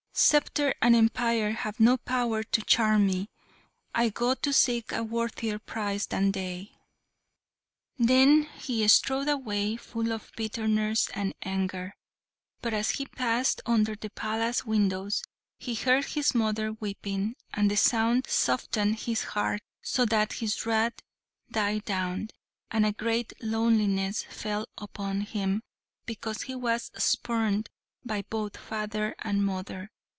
Sceptre and empire have no power to charm me I go to seek a worthier prize than they!" Then he strode away, full of bitterness and anger; but, as he passed under the palace windows, he heard his mother weeping, and the sound softened his heart, so that his wrath died down, and a great loneliness fell upon him, because he was spurned by both father and mother.